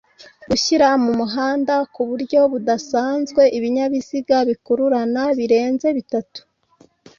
gushyira mu muhanda ku buryo budasanzwe ibinyabiziga bikururana birenze bitatu